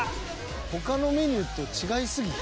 他のメニューと違いすぎひん？